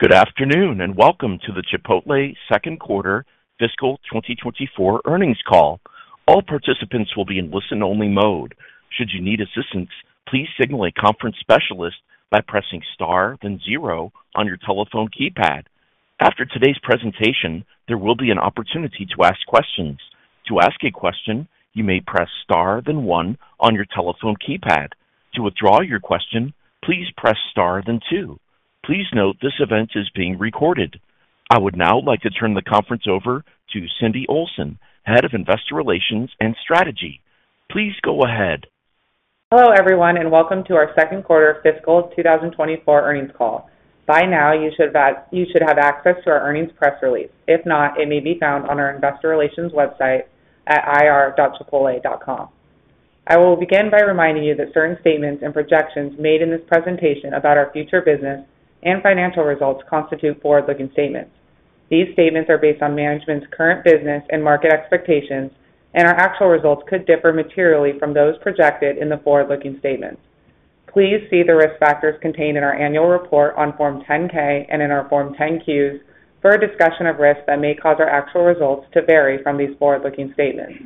Good afternoon and welcome to the Chipotle second quarter fiscal 2024 earnings call. All participants will be in listen-only mode. Should you need assistance, please signal a conference specialist by pressing star then zero on your telephone keypad. After today's presentation, there will be an opportunity to ask questions. To ask a question, you may press star then one on your telephone keypad. To withdraw your question, please press star then two. Please note this event is being recorded. I would now like to turn the conference over to Cindy Olsen, Head of Investor Relations and Strategy. Please go ahead. Hello everyone and welcome to our second quarter fiscal 2024 earnings call. By now, you should have access to our earnings press release. If not, it may be found on our investor relations website at ir.chipotle.com. I will begin by reminding you that certain statements and projections made in this presentation about our future business and financial results constitute forward-looking statements. These statements are based on management's current business and market expectations, and our actual results could differ materially from those projected in the forward-looking statements. Please see the risk factors contained in our annual report on Form 10-K and in our Form 10-Qs for a discussion of risks that may cause our actual results to vary from these forward-looking statements.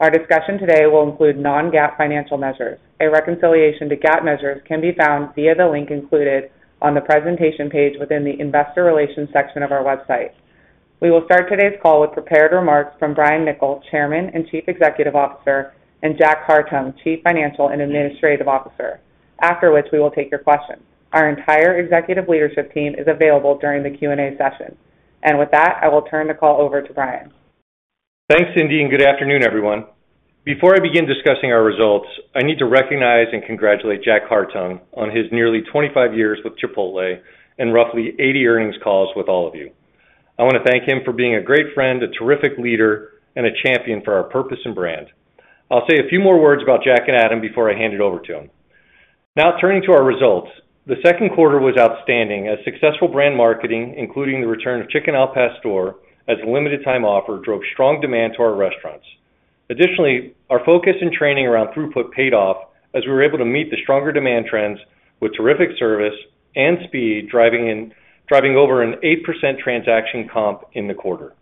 Our discussion today will include non-GAAP financial measures. A reconciliation to GAAP measures can be found via the link included on the presentation page within the investor relations section of our website. We will start today's call with prepared remarks from Brian Niccol, Chairman and Chief Executive Officer, and Jack Hartung, Chief Financial and Administrative Officer, after which we will take your questions. Our entire executive leadership team is available during the Q&A session. With that, I will turn the call over to Brian. Thanks, Cindy, and good afternoon, everyone. Before I begin discussing our results, I need to recognize and congratulate Jack Hartung on his nearly 25 years with Chipotle and roughly 80 earnings calls with all of you. I want to thank him for being a great friend, a terrific leader, and a champion for our purpose and brand. I'll say a few more words about Jack and Adam before I hand it over to him. Now, turning to our results, the second quarter was outstanding as successful brand marketing, including the return of Chicken al Pastor as a limited-time offer, drove strong demand to our restaurants. Additionally, our focus and training around throughput paid off as we were able to meet the stronger demand trends with terrific service and speed, driving over an 8% transaction comp in the quarter.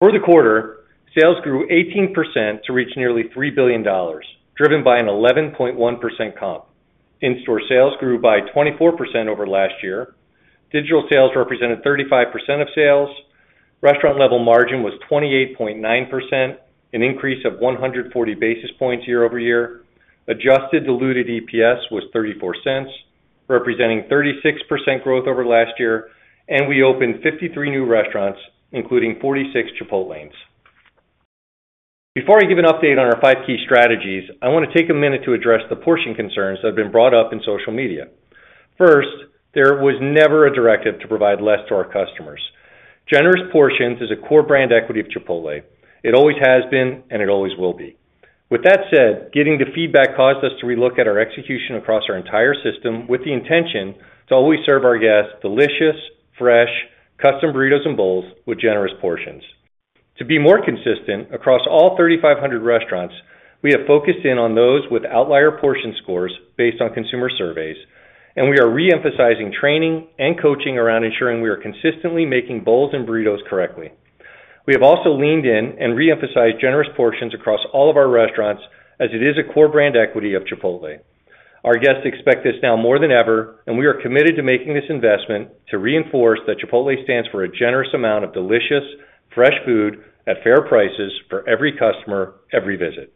For the quarter, sales grew 18% to reach nearly $3 billion, driven by an 11.1% comp. In-store sales grew by 24% over last year. Digital sales represented 35% of sales. Restaurant-level margin was 28.9%, an increase of 140 basis points year-over-year. Adjusted diluted EPS was $0.34, representing 36% growth over last year, and we opened 53 new restaurants, including 46 Chipotlanes. Before I give an update on our five key strategies, I want to take a minute to address the portion concerns that have been brought up in social media. First, there was never a directive to provide less to our customers. Generous portions is a core brand equity of Chipotle. It always has been, and it always will be. With that said, getting the feedback caused us to relook at our execution across our entire system with the intention to always serve our guests delicious, fresh, custom burritos and bowls with generous portions. To be more consistent across all 3,500 restaurants, we have focused in on those with outlier portion scores based on consumer surveys, and we are reemphasizing training and coaching around ensuring we are consistently making bowls and burritos correctly. We have also leaned in and reemphasized generous portions across all of our restaurants as it is a core brand equity of Chipotle. Our guests expect this now more than ever, and we are committed to making this investment to reinforce that Chipotle stands for a generous amount of delicious, fresh food at fair prices for every customer, every visit.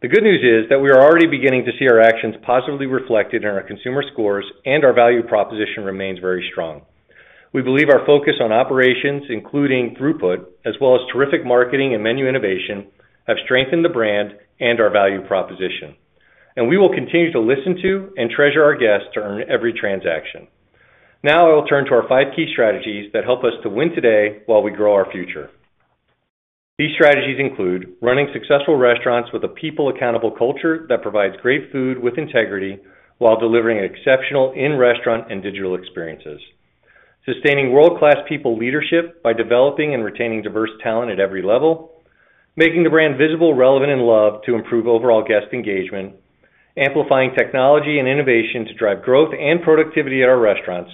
The good news is that we are already beginning to see our actions positively reflected in our consumer scores, and our value proposition remains very strong. We believe our focus on operations, including throughput, as well as terrific marketing and menu innovation, have strengthened the brand and our value proposition. We will continue to listen to and treasure our guests to earn every transaction. Now I will turn to our five key strategies that help us to win today while we grow our future. These strategies include running successful restaurants with a people-accountable culture that provides great food with integrity while delivering exceptional in-restaurant and digital experiences, sustaining world-class people leadership by developing and retaining diverse talent at every level, making the brand visible, relevant, and loved to improve overall guest engagement, amplifying technology and innovation to drive growth and productivity at our restaurants,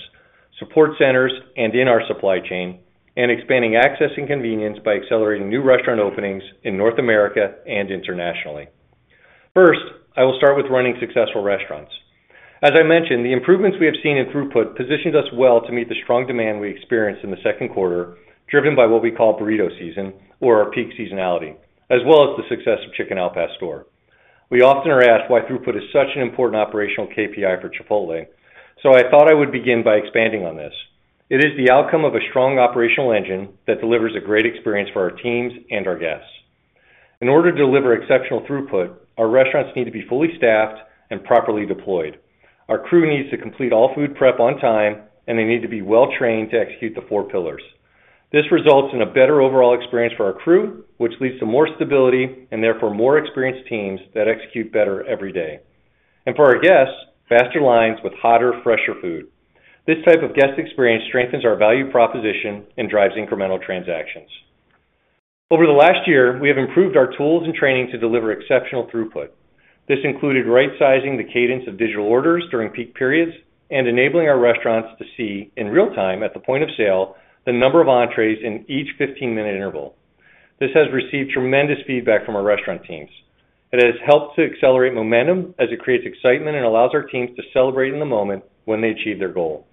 support centers, and in our supply chain, and expanding access and convenience by accelerating new restaurant openings in North America and internationally. First, I will start with running successful restaurants. As I mentioned, the improvements we have seen in throughput positioned us well to meet the strong demand we experienced in the second quarter, driven by what we call burrito season, or our peak seasonality, as well as the success of Chicken al Pastor. We often are asked why throughput is such an important operational KPI for Chipotle, so I thought I would begin by expanding on this. It is the outcome of a strong operational engine that delivers a great experience for our teams and our guests. In order to deliver exceptional throughput, our restaurants need to be fully staffed and properly deployed. Our crew needs to complete all food prep on time, and they need to be well-trained to execute the four pillars. This results in a better overall experience for our crew, which leads to more stability and therefore more experienced teams that execute better every day. And for our guests, faster lines with hotter, fresher food. This type of guest experience strengthens our value proposition and drives incremental transactions. Over the last year, we have improved our tools and training to deliver exceptional throughput. This included right-sizing the cadence of digital orders during peak periods and enabling our restaurants to see in real time at the point of sale the number of entrees in each 15-minute interval. This has received tremendous feedback from our restaurant teams. It has helped to accelerate momentum as it creates excitement and allows our teams to celebrate in the moment when they achieve their goal.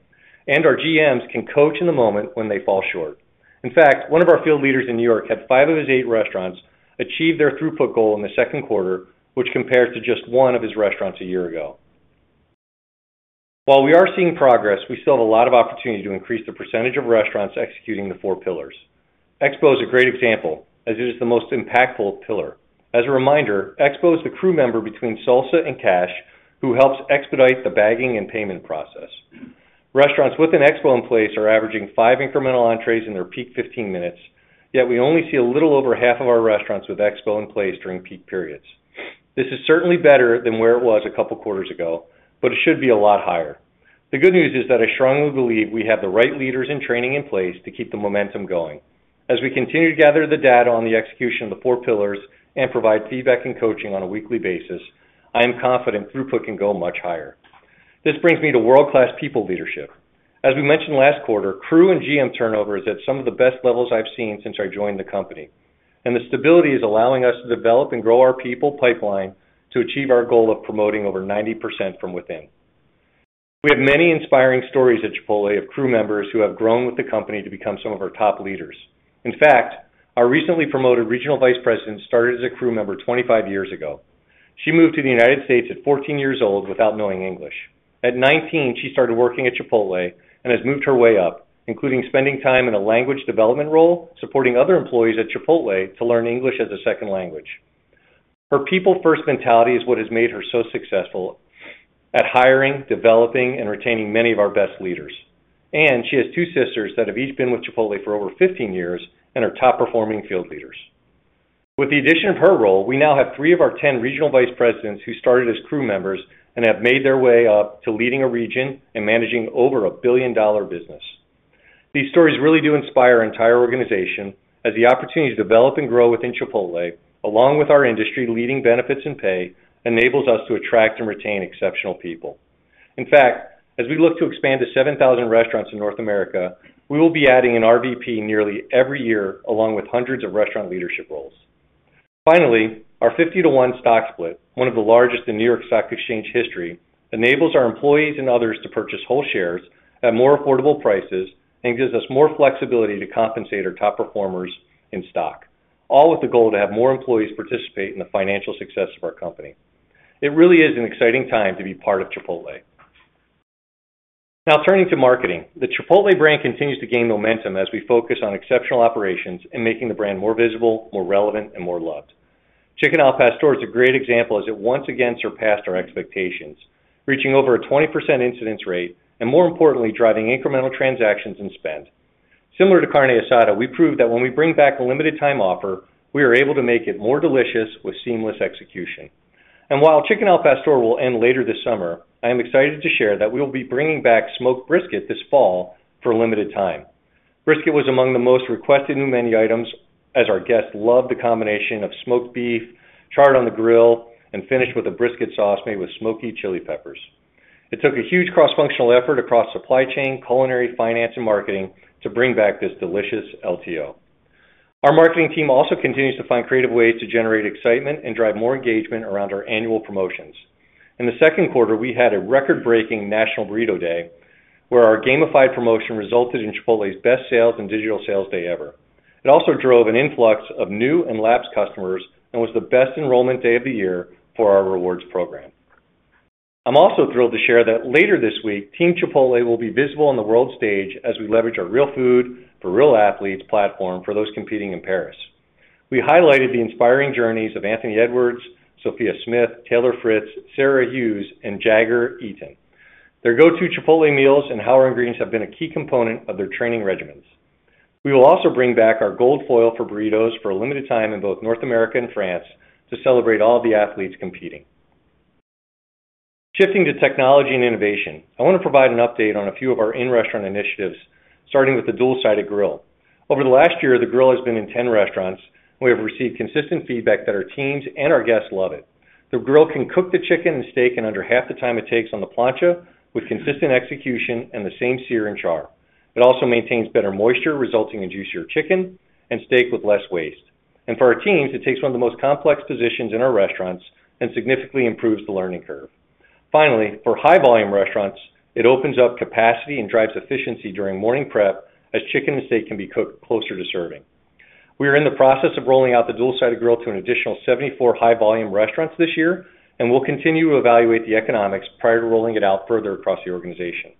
Our GMs can coach in the moment when they fall short. In fact, one of our field leaders in New York had five of his eight restaurants achieve their throughput goal in the second quarter, which compares to just one of his restaurants a year ago. While we are seeing progress, we still have a lot of opportunity to increase the percentage of restaurants executing the four pillars. Expo is a great example as it is the most impactful pillar. As a reminder, Expo is the crew member between Salsa and Cash who helps expedite the bagging and payment process. Restaurants with an Expo in place are averaging five incremental entrees in their peak 15 minutes, yet we only see a little over half of our restaurants with Expo in place during peak periods. This is certainly better than where it was a couple of quarters ago, but it should be a lot higher. The good news is that I strongly believe we have the right leaders and training in place to keep the momentum going. As we continue to gather the data on the execution of the four pillars and provide feedback and coaching on a weekly basis, I am confident throughput can go much higher. This brings me to world-class people leadership. As we mentioned last quarter, crew and GM turnover is at some of the best levels I've seen since I joined the company. The stability is allowing us to develop and grow our people pipeline to achieve our goal of promoting over 90% from within. We have many inspiring stories at Chipotle of crew members who have grown with the company to become some of our top leaders. In fact, our recently promoted Regional Vice President started as a crew member 25 years ago. She moved to the United States at 14 years old without knowing English. At 19, she started working at Chipotle and has moved her way up, including spending time in a language development role supporting other employees at Chipotle to learn English as a second language. Her people-first mentality is what has made her so successful at hiring, developing, and retaining many of our best leaders. She has two sisters that have each been with Chipotle for over 15 years and are top-performing field leaders. With the addition of her role, we now have three of our 10 regional vice presidents who started as crew members and have made their way up to leading a region and managing over a billion-dollar business. These stories really do inspire our entire organization as the opportunity to develop and grow within Chipotle, along with our industry-leading benefits and pay, enables us to attract and retain exceptional people. In fact, as we look to expand to 7,000 restaurants in North America, we will be adding an RVP nearly every year along with hundreds of restaurant leadership roles. Finally, our 50-for-1 stock split, one of the largest in New York Stock Exchange history, enables our employees and others to purchase whole shares at more affordable prices and gives us more flexibility to compensate our top performers in stock, all with the goal to have more employees participate in the financial success of our company. It really is an exciting time to be part of Chipotle. Now, turning to marketing, the Chipotle brand continues to gain momentum as we focus on exceptional operations and making the brand more visible, more relevant, and more loved. Chicken al Pastor is a great example as it once again surpassed our expectations, reaching over a 20% incidence rate and, more importantly, driving incremental transactions and spend. Similar to Carne Asada, we proved that when we bring back a limited-time offer, we are able to make it more delicious with seamless execution. While Chicken al Pastor will end later this summer, I am excited to share that we will be bringing back Smoked Brisket this fall for a limited time. Brisket was among the most requested in many items as our guests loved the combination of smoked beef, charred on the grill, and finished with a brisket sauce made with smoky chili peppers. It took a huge cross-functional effort across supply chain, culinary, finance, and marketing to bring back this delicious LTO. Our marketing team also continues to find creative ways to generate excitement and drive more engagement around our annual promotions. In the second quarter, we had a record-breaking National Burrito Day, where our gamified promotion resulted in Chipotle's best sales and Digital sales day ever. It also drove an influx of new and lapsed customers and was the best enrollment day of the year for our Rewards program. I'm also thrilled to share that later this week, Team Chipotle will be visible on the world stage as we leverage our Real Food for Real Athletes platform for those competing in Paris. We highlighted the inspiring journeys of Anthony Edwards, Sophia Smith, Taylor Fritz, Sara Hughes, and Jagger Eaton, their go-to Chipotle meals and how our ingredients have been a key component of their training regimens. We will also bring back our Gold Foil for burritos for a limited time in both North America and France to celebrate all of the athletes competing. Shifting to technology and innovation, I want to provide an update on a few of our in-restaurant initiatives, starting with the Dual-Sided Grill. Over the last year, the grill has been in 10 restaurants, and we have received consistent feedback that our teams and our guests love it. The grill can cook the chicken and steak in under half the time it takes on the plancha with consistent execution and the same sear and char. It also maintains better moisture, resulting in juicier chicken and steak with less waste. For our teams, it takes one of the most complex positions in our restaurants and significantly improves the learning curve. Finally, for high-volume restaurants, it opens up capacity and drives efficiency during morning prep as chicken and steak can be cooked closer to serving. We are in the process of rolling out the Dual-Sided Grill to an additional 74 high-volume restaurants this year, and we'll continue to evaluate the economics prior to rolling it out further across the organization.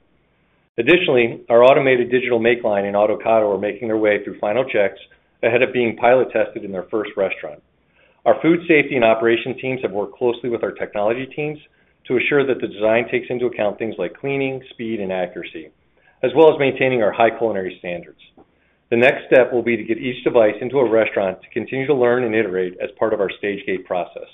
Additionally, our Automated Digital Make Line and Autocado are making their way through final checks ahead of being pilot tested in their first restaurant. Our food safety and operation teams have worked closely with our technology teams to assure that the design takes into account things like cleaning, speed, and accuracy, as well as maintaining our high culinary standards. The next step will be to get each device into a restaurant to continue to learn and iterate as part of our Stage-Gate process.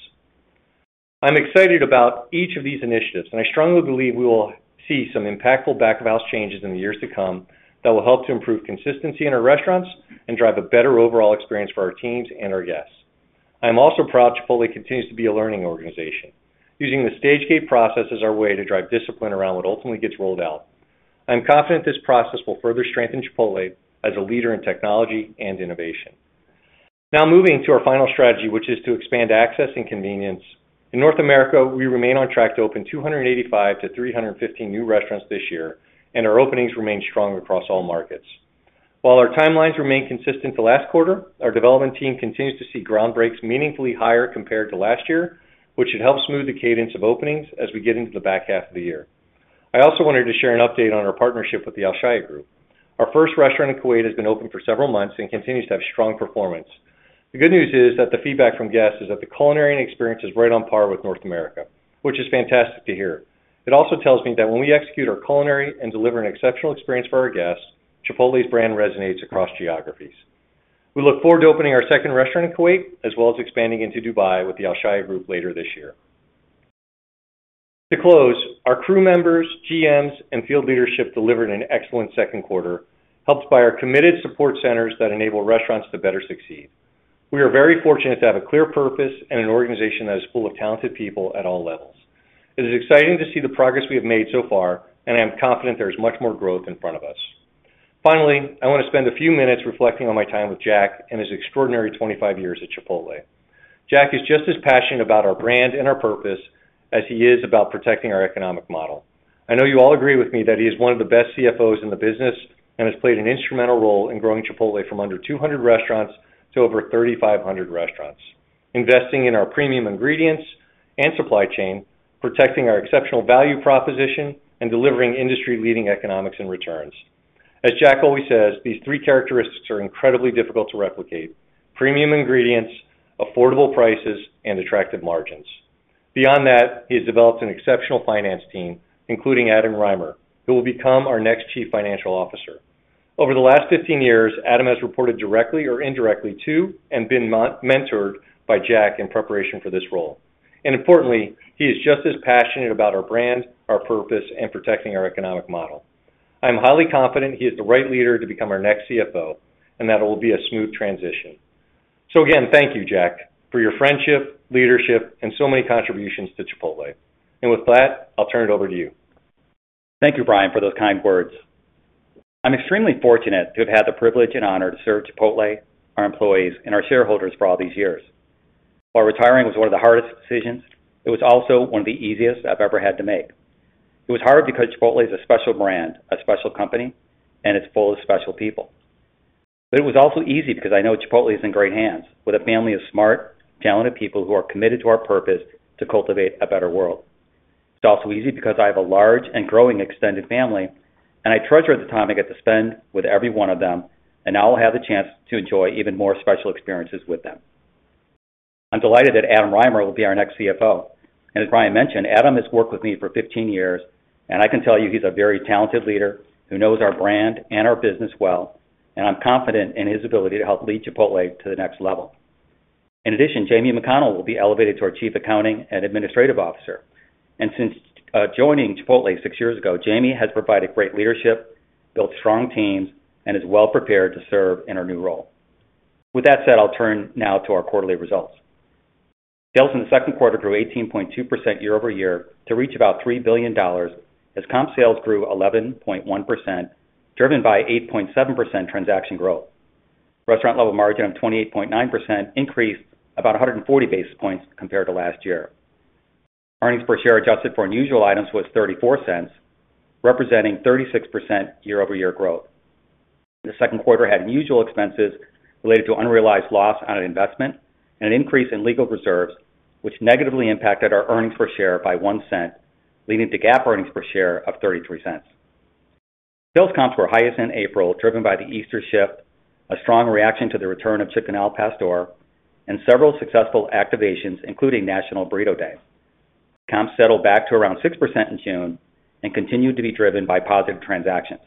I'm excited about each of these initiatives, and I strongly believe we will see some impactful back-of-house changes in the years to come that will help to improve consistency in our restaurants and drive a better overall experience for our teams and our guests. I'm also proud Chipotle continues to be a learning organization, using the Stage-Gate process as our way to drive discipline around what ultimately gets rolled out. I'm confident this process will further strengthen Chipotle as a leader in technology and innovation. Now moving to our final strategy, which is to expand access and convenience. In North America, we remain on track to open 285-315 new restaurants this year, and our openings remain strong across all markets. While our timelines remain consistent to last quarter, our development team continues to see groundbreaks meaningfully higher compared to last year, which should help smooth the cadence of openings as we get into the back half of the year. I also wanted to share an update on our partnership with the Alshaya Group. Our first restaurant in Kuwait has been open for several months and continues to have strong performance. The good news is that the feedback from guests is that the culinary experience is right on par with North America, which is fantastic to hear. It also tells me that when we execute our culinary and deliver an exceptional experience for our guests, Chipotle's brand resonates across geographies. We look forward to opening our second restaurant in Kuwait, as well as expanding into Dubai with the Alshaya Group later this year. To close, our crew members, GMs, and field leadership delivered an excellent second quarter, helped by our committed support centers that enable restaurants to better succeed. We are very fortunate to have a clear purpose and an organization that is full of talented people at all levels. It is exciting to see the progress we have made so far, and I am confident there is much more growth in front of us. Finally, I want to spend a few minutes reflecting on my time with Jack and his extraordinary 25 years at Chipotle. Jack is just as passionate about our brand and our purpose as he is about protecting our economic model. I know you all agree with me that he is one of the best CFOs in the business and has played an instrumental role in growing Chipotle from under 200 restaurants to over 3,500 restaurants, investing in our premium ingredients and supply chain, protecting our exceptional value proposition, and delivering industry-leading economics and returns. As Jack always says, these three characteristics are incredibly difficult to replicate: premium ingredients, affordable prices, and attractive margins. Beyond that, he has developed an exceptional finance team, including Adam Rymer, who will become our next Chief Financial Officer. Over the last 15 years, Adam has reported directly or indirectly to and been mentored by Jack in preparation for this role. Importantly, he is just as passionate about our brand, our purpose, and protecting our economic model. I'm highly confident he is the right leader to become our next CFO and that it will be a smooth transition. Again, thank you, Jack, for your friendship, leadership, and so many contributions to Chipotle. With that, I'll turn it over to you. Thank you, Brian, for those kind words. I'm extremely fortunate to have had the privilege and honor to serve Chipotle, our employees, and our shareholders for all these years. While retiring was one of the hardest decisions, it was also one of the easiest I've ever had to make. It was hard because Chipotle is a special brand, a special company, and it's full of special people. It was also easy because I know Chipotle is in great hands with a family of smart, talented people who are committed to our purpose to cultivate a better world. It's also easy because I have a large and growing extended family, and I treasure the time I get to spend with every one of them, and now I'll have the chance to enjoy even more special experiences with them. I'm delighted that Adam Rymer will be our next CFO. As Brian mentioned, Adam has worked with me for 15 years, and I can tell you he's a very talented leader who knows our brand and our business well, and I'm confident in his ability to help lead Chipotle to the next level. In addition, Jamie McConnell will be elevated to our Chief Accounting and Administrative Officer. Since joining Chipotle six years ago, Jamie has provided great leadership, built strong teams, and is well prepared to serve in our new role. With that said, I'll turn now to our quarterly results. Sales in the second quarter grew 18.2% year-over-year to reach about $3 billion as comp sales grew 11.1%, driven by 8.7% transaction growth. Restaurant-level margin of 28.9% increased about 140 basis points compared to last year. Earnings per share adjusted for unusual items was $0.34, representing 36% year-over-year growth. The second quarter had unusual expenses related to unrealized loss on an investment and an increase in legal reserves, which negatively impacted our earnings per share by $0.01, leading to GAAP earnings per share of $0.33. Sales comps were highest in April, driven by the Easter shift, a strong reaction to the return of Chicken al Pastor, and several successful activations, including National Burrito Day. Comps settled back to around 6% in June and continued to be driven by positive transactions.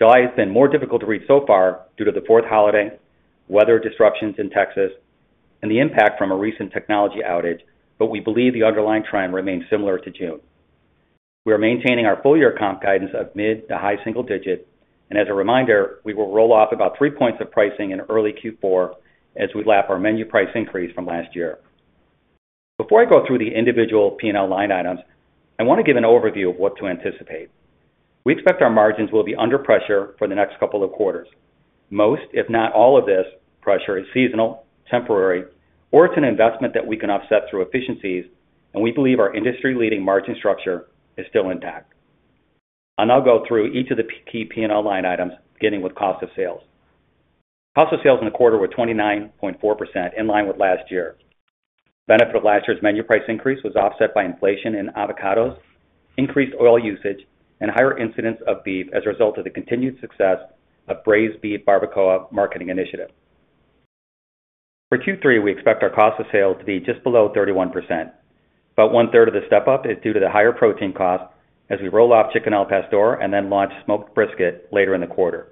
July has been more difficult to read so far due to the fourth holiday, weather disruptions in Texas, and the impact from a recent technology outage, but we believe the underlying trend remains similar to June. We are maintaining our full-year comp guidance of mid- to high-single-digit, and as a reminder, we will roll off about three points of pricing in early Q4 as we lap our menu price increase from last year. Before I go through the individual P&L line items, I want to give an overview of what to anticipate. We expect our margins will be under pressure for the next couple of quarters. Most, if not all of this pressure is seasonal, temporary, or it's an investment that we can offset through efficiencies, and we believe our industry-leading margin structure is still intact. I'll go through each of the key P&L line items, beginning with cost of sales. Cost of sales in the quarter were 29.4%, in line with last year. Benefit of last year's menu price increase was offset by inflation in avocados, increased oil usage, and higher incidence of beef as a result of the continued success of Braised Beef Barbacoa marketing initiative. For Q3, we expect our cost of sales to be just below 31%. About one-third of the step-up is due to the higher protein cost as we roll off Chicken al Pastor and then launch Smoked Brisket later in the quarter.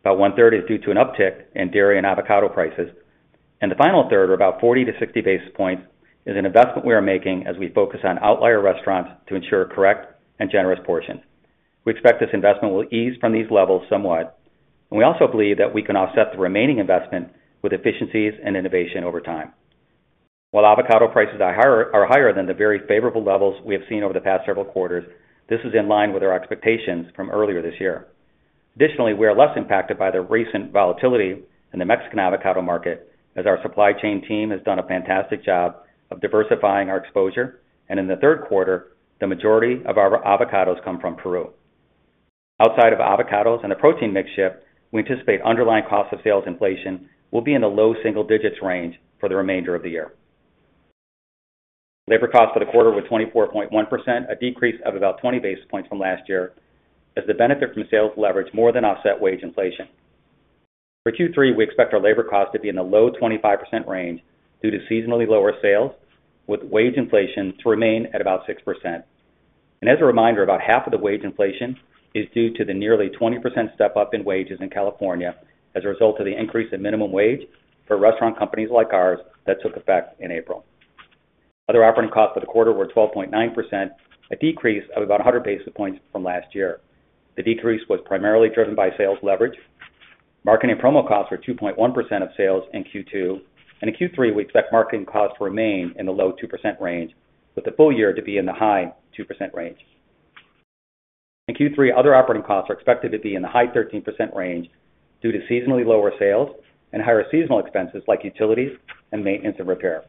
About one-third is due to an uptick in dairy and avocado prices, and the final third, or about 40-60 basis points, is an investment we are making as we focus on outlier restaurants to ensure correct and generous portions. We expect this investment will ease from these levels somewhat, and we also believe that we can offset the remaining investment with efficiencies and innovation over time. While avocado prices are higher than the very favorable levels we have seen over the past several quarters, this is in line with our expectations from earlier this year. Additionally, we are less impacted by the recent volatility in the Mexican avocado market as our supply chain team has done a fantastic job of diversifying our exposure, and in the third quarter, the majority of our avocados come from Peru. Outside of avocados and the protein mix shift, we anticipate underlying cost of sales inflation will be in the low single digits range for the remainder of the year. Labor costs for the quarter were 24.1%, a decrease of about 20 basis points from last year, as the benefit from sales leverage more than offset wage inflation. For Q3, we expect our labor costs to be in the low 25% range due to seasonally lower sales, with wage inflation to remain at about 6%. As a reminder, about half of the wage inflation is due to the nearly 20% step-up in wages in California as a result of the increase in minimum wage for restaurant companies like ours that took effect in April. Other operating costs for the quarter were 12.9%, a decrease of about 100 basis points from last year. The decrease was primarily driven by sales leverage. Marketing and promo costs were 2.1% of sales in Q2, and in Q3, we expect marketing costs to remain in the low 2% range, with the full year to be in the high 2% range. In Q3, other operating costs are expected to be in the high 13% range due to seasonally lower sales and higher seasonal expenses like utilities and maintenance and repair.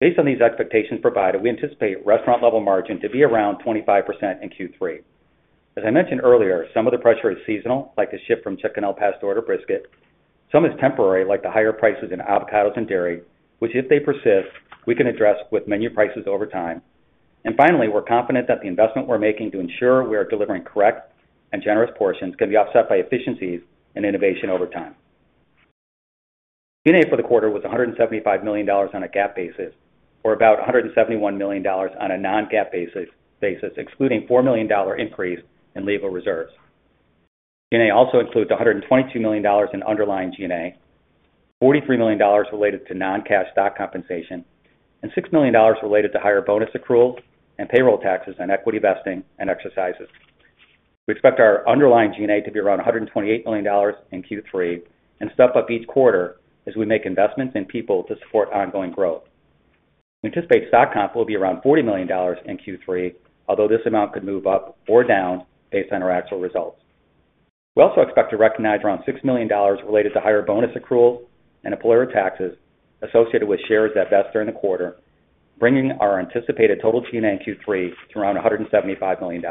Based on these expectations provided, we anticipate restaurant-level margin to be around 25% in Q3. As I mentioned earlier, some of the pressure is seasonal, like the shift from Chicken al Pastor to brisket. Some is temporary, like the higher prices in avocados and dairy, which, if they persist, we can address with menu prices over time. And finally, we're confident that the investment we're making to ensure we are delivering correct and generous portions can be offset by efficiencies and innovation over time. G&A for the quarter was $175 million on a GAAP basis, or about $171 million on a non-GAAP basis, excluding a $4 million increase in legal reserves. G&A also includes $122 million in underlying G&A, $43 million related to non-cash stock compensation, and $6 million related to higher bonus accruals and payroll taxes on equity vesting and exercises. We expect our underlying G&A to be around $128 million in Q3 and step up each quarter as we make investments in people to support ongoing growth. We anticipate stock comp will be around $40 million in Q3, although this amount could move up or down based on our actual results. We also expect to recognize around $6 million related to higher bonus accruals and employer taxes associated with shares that vest during the quarter, bringing our anticipated total G&A in Q3 to around $175 million.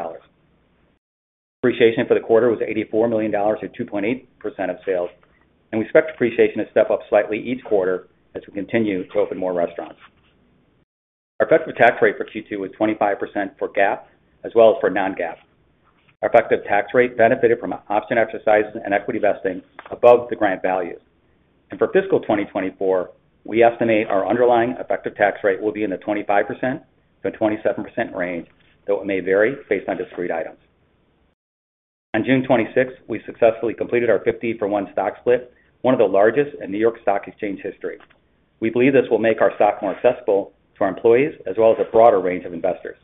Depreciation for the quarter was $84 million at 2.8% of sales, and we expect depreciation to step up slightly each quarter as we continue to open more restaurants. Our effective tax rate for Q2 was 25% for GAAP as well as for non-GAAP. Our effective tax rate benefited from option exercises and equity vesting above the grant values. For fiscal 2024, we estimate our underlying effective tax rate will be in the 25%-27% range, though it may vary based on discrete items. On June 26th, we successfully completed our 50-for-1 stock split, one of the largest in New York Stock Exchange history. We believe this will make our stock more accessible to our employees as well as a broader range of investors.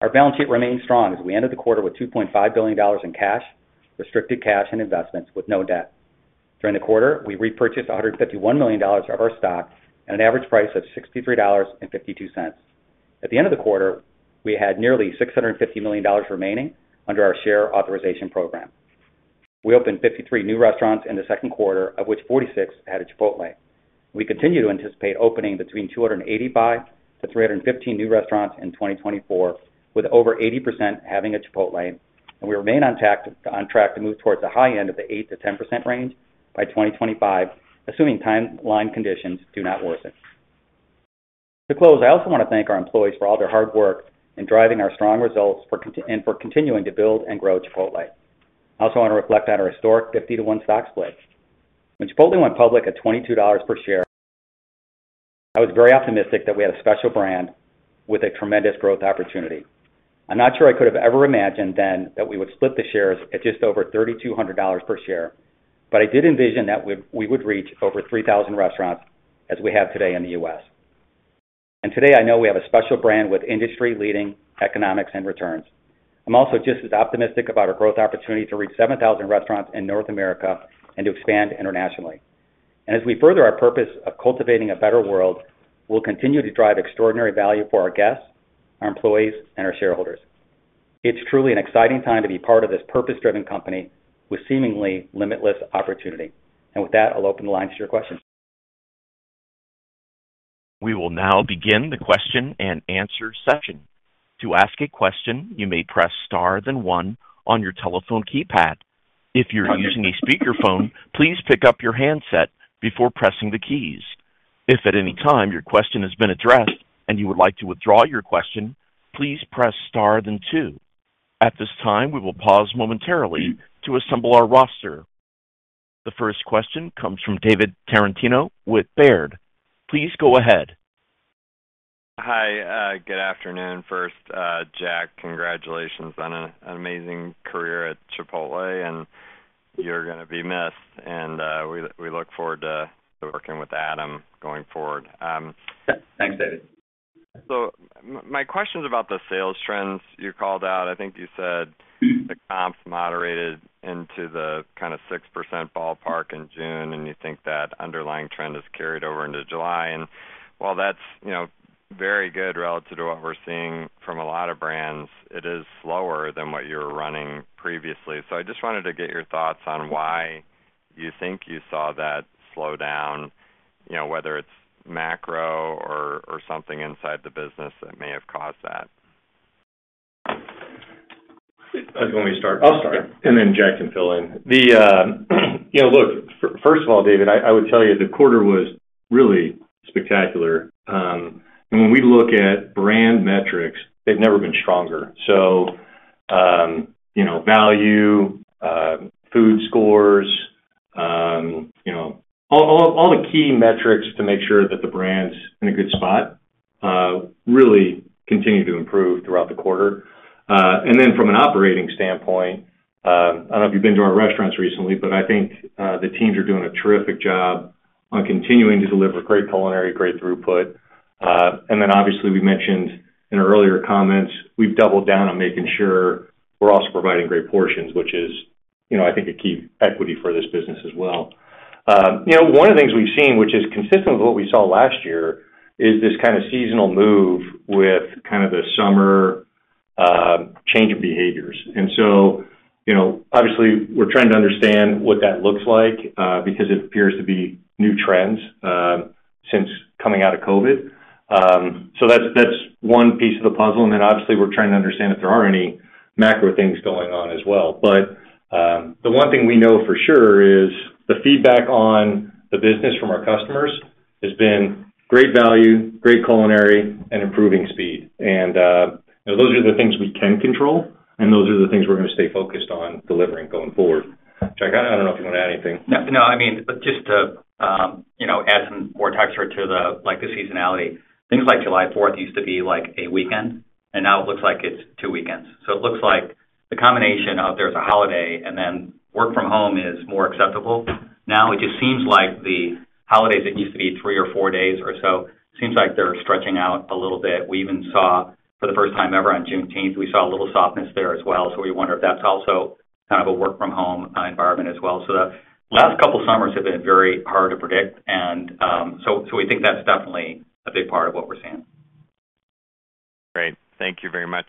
Our balance sheet remained strong as we ended the quarter with $2.5 billion in cash, restricted cash, and investments with no debt. During the quarter, we repurchased $151 million of our stock at an average price of $63.52. At the end of the quarter, we had nearly $650 million remaining under our share authorization program. We opened 53 new restaurants in the second quarter, of which 46 had a Chipotlane. We continue to anticipate opening between 285-315 new restaurants in 2024, with over 80% having a Chipotlane, and we remain on track to move towards the high end of the 8%-10% range by 2025, assuming timeline conditions do not worsen. To close, I also want to thank our employees for all their hard work in driving our strong results and for continuing to build and grow Chipotle. I also want to reflect on our historic 50-for-1 stock split. When Chipotle went public at $22 per share, I was very optimistic that we had a special brand with a tremendous growth opportunity. I'm not sure I could have ever imagined then that we would split the shares at just over $3,200 per share, but I did envision that we would reach over 3,000 restaurants as we have today in the U.S. And today, I know we have a special brand with industry-leading economics and returns. I'm also just as optimistic about our growth opportunity to reach 7,000 restaurants in North America and to expand internationally. And as we further our purpose of cultivating a better world, we'll continue to drive extraordinary value for our guests, our employees, and our shareholders. It's truly an exciting time to be part of this purpose-driven company with seemingly limitless opportunity. And with that, I'll open the line to your questions. We will now begin the question and answer session. To ask a question, you may press star then one on your telephone keypad. If you're using a speakerphone, please pick up your handset before pressing the keys. If at any time your question has been addressed and you would like to withdraw your question, please press star then two. At this time, we will pause momentarily to assemble our roster. The first question comes from David Tarantino with Baird. Please go ahead. Hi. Good afternoon first, Jack. Congratulations on an amazing career at Chipotle, and you're going to be missed. We look forward to working with Adam going forward. Thanks, David. So my question is about the sales trends you called out. I think you said the comps moderated into the kind of 6% ballpark in June, and you think that underlying trend has carried over into July. While that's very good relative to what we're seeing from a lot of brands, it is slower than what you were running previously. I just wanted to get your thoughts on why you think you saw that slow down, whether it's macro or something inside the business that may have caused that. I'll start, and then Jack can fill in. Look, first of all, David, I would tell you the quarter was really spectacular. When we look at brand metrics, they've never been stronger. Value, food scores, all the key metrics to make sure that the brand's in a good spot really continue to improve throughout the quarter. Then from an operating standpoint, I don't know if you've been to our restaurants recently, but I think the teams are doing a terrific job on continuing to deliver great culinary, great throughput. And then obviously, we mentioned in earlier comments, we've doubled down on making sure we're also providing great portions, which is, I think, a key equity for this business as well. One of the things we've seen, which is consistent with what we saw last year, is this kind of seasonal move with kind of the summer change in behaviors. And so obviously, we're trying to understand what that looks like because it appears to be new trends since coming out of COVID. So that's one piece of the puzzle. And then obviously, we're trying to understand if there are any macro things going on as well. But the one thing we know for sure is the feedback on the business from our customers has been great value, great culinary, and improving speed. And those are the things we can control, and those are the things we're going to stay focused on delivering going forward. Jack, I don't know if you want to add anything. No, I mean, just to add some more texture to the seasonality. Things like July 4th used to be like a weekend, and now it looks like it's 2 weekends. So it looks like the combination of there's a holiday and then work from home is more acceptable. Now it just seems like the holidays that used to be 3 or 4 days or so seems like they're stretching out a little bit. We even saw for the first time ever on June 10th, we saw a little softness there as well. So we wonder if that's also kind of a work-from-home environment as well. So the last couple of summers have been very hard to predict. And so we think that's definitely a big part of what we're seeing. Great. Thank you very much.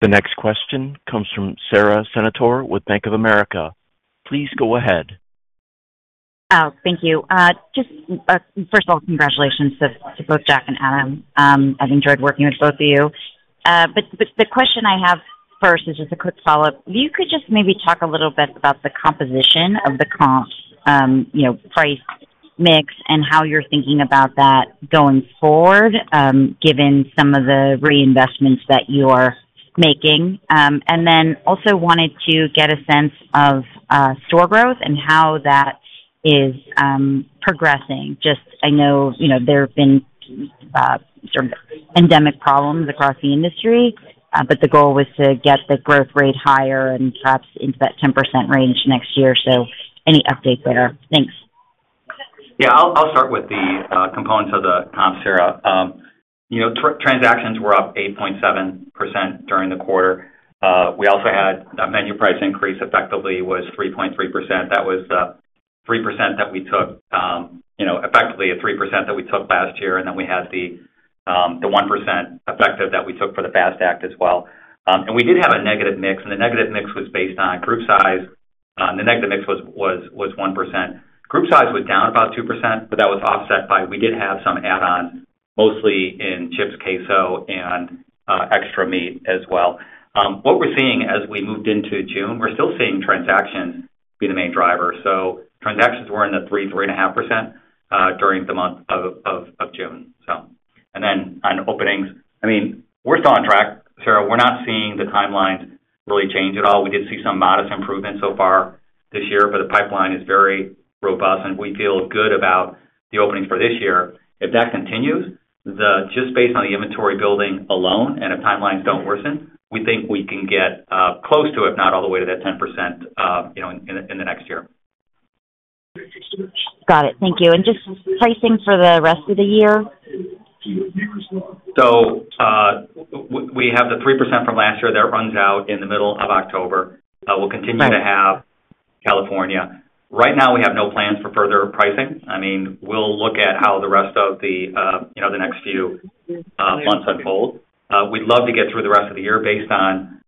The next question comes from Sara Senatore with Bank of America. Please go ahead. Thank you. Just first of all, congratulations to both Jack and Adam. I've enjoyed working with both of you. But the question I have first is just a quick follow-up. If you could just maybe talk a little bit about the composition of the comps, price mix, and how you're thinking about that going forward, given some of the reinvestments that you are making. And then also wanted to get a sense of store growth and how that is progressing. Just I know there have been sort of endemic problems across the industry, but the goal was to get the growth rate higher and perhaps into that 10% range next year. So any update there? Thanks. Yeah. I'll start with the components of the comps, Sarah. Transactions were up 8.7% during the quarter. We also had a menu price increase effectively was 3.3%. That was the 3% that we took effectively a 3% that we took last year. And then we had the 1% effective that we took for the FAST Act as well. And we did have a negative mix. And the negative mix was based on group size. The negative mix was 1%. Group size was down about 2%, but that was offset by we did have some add-ons, mostly in chips, queso, and extra meat as well. What we're seeing as we moved into June, we're still seeing transactions be the main driver. So transactions were in the 3%-3.5% during the month of June. And then on openings, I mean, we're still on track, Sarah. We're not seeing the timelines really change at all. We did see some modest improvements so far this year, but the pipeline is very robust, and we feel good about the openings for this year. If that continues, just based on the inventory building alone and if timelines don't worsen, we think we can get close to, if not all the way to that 10% in the next year. Got it. Thank you. And just pricing for the rest of the year? So we have the 3% from last year that runs out in the middle of October. We'll continue to have California. Right now, we have no plans for further pricing. I mean, we'll look at how the rest of the next few months unfold. We'd love to get through the rest of the year based on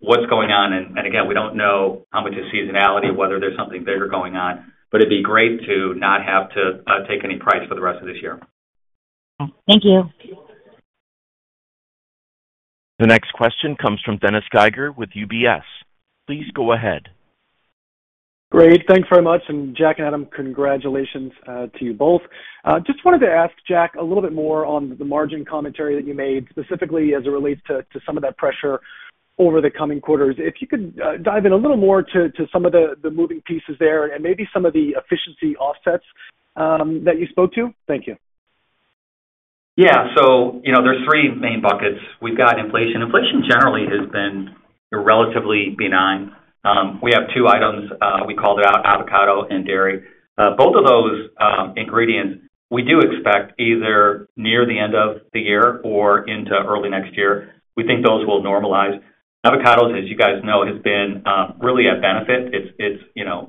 what's going on. And again, we don't know how much is seasonality, whether there's something bigger going on, but it'd be great to not have to take any price for the rest of this year. Thank you. The next question comes from Dennis Geiger with UBS. Please go ahead. Great. Thanks very much. And Jack and Adam, congratulations to you both. Just wanted to ask Jack a little bit more on the margin commentary that you made, specifically as it relates to some of that pressure over the coming quarters. If you could dive in a little more to some of the moving pieces there and maybe some of the efficiency offsets that you spoke to. Thank you. Yeah. So there's three main buckets. We've got inflation. Inflation generally has been relatively benign. We have two items we called out, avocado and dairy. Both of those ingredients, we do expect either near the end of the year or into early next year. We think those will normalize. Avocados, as you guys know, has been really a benefit.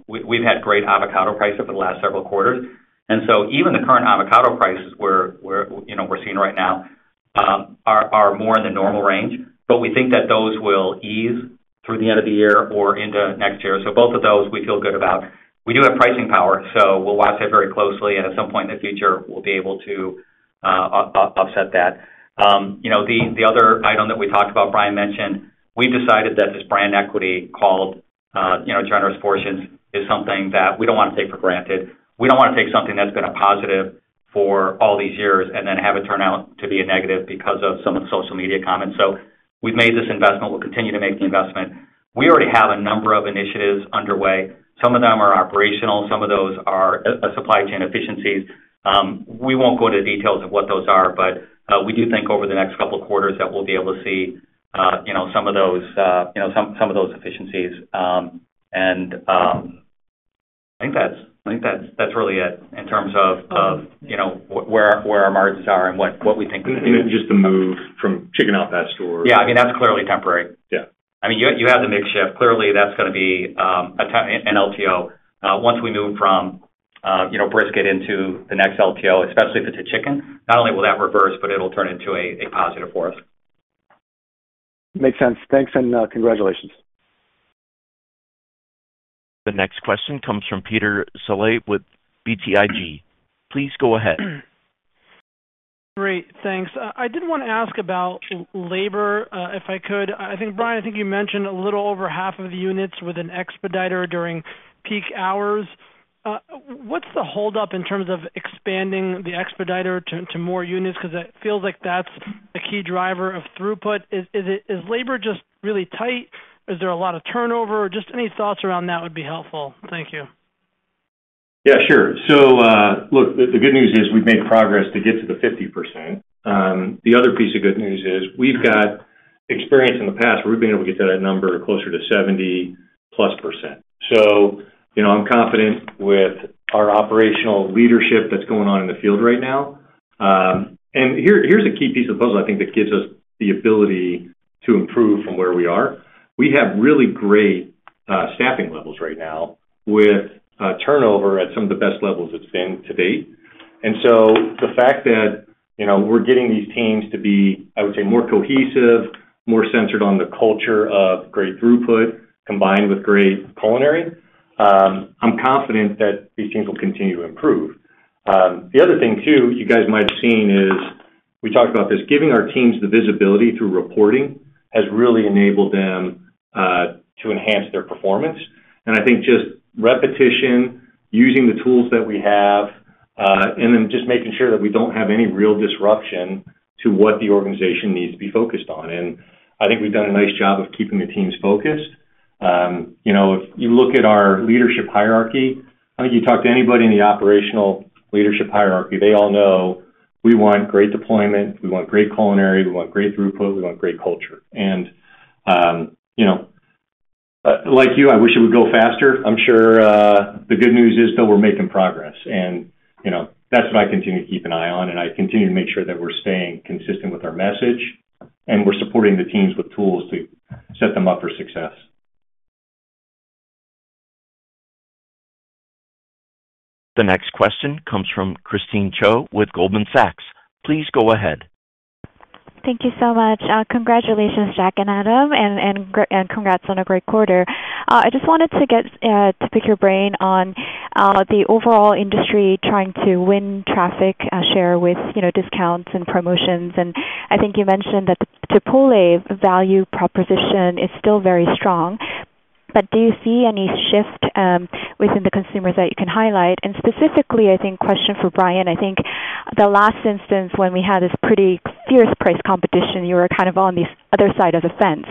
We've had great avocado prices for the last several quarters. And so even the current avocado prices we're seeing right now are more in the normal range, but we think that those will ease through the end of the year or into next year. So both of those, we feel good about. We do have pricing power, so we'll watch it very closely. And at some point in the future, we'll be able to offset that. The other item that we talked about, Brian mentioned, we've decided that this brand equity called generous portions is something that we don't want to take for granted. We don't want to take something that's been a positive for all these years and then have it turn out to be a negative because of some of the social media comments. So we've made this investment. We'll continue to make the investment. We already have a number of initiatives underway. Some of them are operational. Some of those are supply chain efficiencies. We won't go into the details of what those are, but we do think over the next couple of quarters that we'll be able to see some of those efficiencies. And I think that's really it in terms of where our margins are and what we think we can do. Just the move from Chicken al Pastor. Yeah. I mean, that's clearly temporary. I mean, you have the mix shift. Clearly, that's going to be an LTO. Once we move from brisket into the next LTO, especially if it's a chicken, not only will that reverse, but it'll turn into a positive for us. Makes sense. Thanks and congratulations. The next question comes from Peter Saleh with BTIG. Please go ahead. Great. Thanks. I did want to ask about labor, if I could. I think, Brian, I think you mentioned a little over half of the units with an expeditor during peak hours. What's the holdup in terms of expanding the expeditor to more units? Because it feels like that's a key driver of throughput. Is labor just really tight? Is there a lot of turnover? Just any thoughts around that would be helpful. Thank you. Yeah, sure. So look, the good news is we've made progress to get to the 50%. The other piece of good news is we've got experience in the past where we've been able to get to that number closer to 70+%. So I'm confident with our operational leadership that's going on in the field right now. And here's a key piece of the puzzle, I think, that gives us the ability to improve from where we are. We have really great staffing levels right now with turnover at some of the best levels it's been to date. And so the fact that we're getting these teams to be, I would say, more cohesive, more centered on the culture of great throughput combined with great culinary, I'm confident that these teams will continue to improve. The other thing too, you guys might have seen is we talked about this. Giving our teams the visibility through reporting has really enabled them to enhance their performance. And I think just repetition, using the tools that we have, and then just making sure that we don't have any real disruption to what the organization needs to be focused on. And I think we've done a nice job of keeping the teams focused. If you look at our leadership hierarchy, I think you talk to anybody in the operational leadership hierarchy, they all know we want great deployment, we want great culinary, we want great throughput, we want great culture. And like you, I wish it would go faster. I'm sure the good news is that we're making progress. And that's what I continue to keep an eye on. And I continue to make sure that we're staying consistent with our message and we're supporting the teams with tools to set them up for success. The next question comes from Christine Cho with Goldman Sachs. Please go ahead. Thank you so much. Congratulations, Jack and Adam, and congrats on a great quarter. I just wanted to pick your brain on the overall industry trying to win traffic share with discounts and promotions. I think you mentioned that the Chipotle value proposition is still very strong. But do you see any shift within the consumers that you can highlight? And specifically, I think question for Brian, I think the last instance when we had this pretty fierce price competition, you were kind of on the other side of the fence.